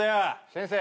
先生。